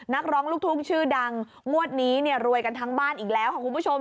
นักร้องลูกทุ่งชื่อดังงวดนี้เนี่ยรวยกันทั้งบ้านอีกแล้วค่ะคุณผู้ชม